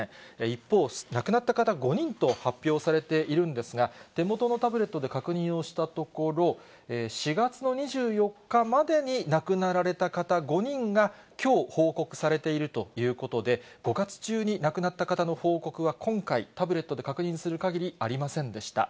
一方、亡くなった方は５人と発表されているんですが、手元のタブレットで確認をしたところ、４月の２４日までに亡くなられた方５人が、きょう報告されているということで、５月中に亡くなった方の報告は今回、タブレットで確認する限りありませんでした。